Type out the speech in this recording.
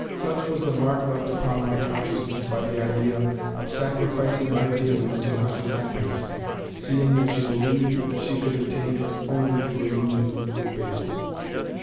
Such was the mark left upon my consciousness by the idea of sacrificing my feelings to Masha's happiness, seeing that she believed that she could attain it only through a union with Basil.